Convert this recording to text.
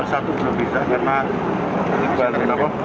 satu belum bisa karena terimpit